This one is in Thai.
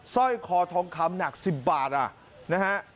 สร้อยคอทองคำหนัก๑๐บาทนะฮะ